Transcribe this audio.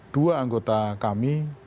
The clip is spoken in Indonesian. dua anggota kami